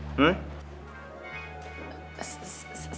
siapa yang bertanggung jawab atas file file ini